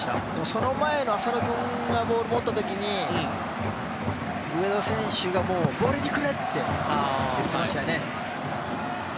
その前の浅野君がボール持った時に上田選手が、俺にくれ！って言ってましたよね。